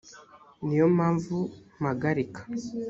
ni yo mpamvu mpagarika